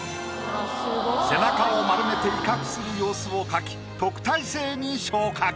背中を丸めて威嚇する様子を描き特待生に昇格。